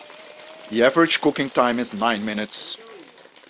The average cooking time is nine minutes.